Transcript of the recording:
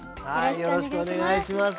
よろしくお願いします。